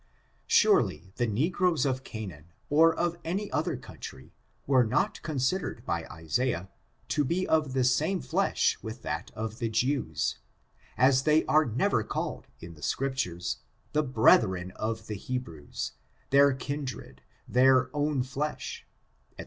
^ Surely, the negroes of Canaan, or of any other country, were not considered by Isaiah, to be of the same flesh with that of the Jews, as they are never called in the Scriptures, the brethren of the Hebrews, their kindred, their own flesh, &c.